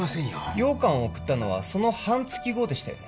羊羹を送ったのはその半月後でしたよね？